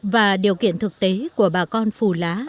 và điều kiện thực tế của bà con phù lá